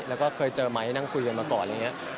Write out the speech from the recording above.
แล้วก็เคยเจอไม๊นั่งคุยกันมาก่อน